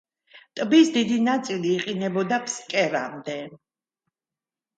ტბის დიდი ნაწილი იყინებოდა ფსკერამდე.